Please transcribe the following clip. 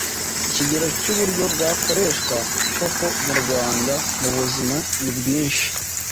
Ikigero cy uburyo bwakoreshwa koko murwanda mubuzima nibwinshi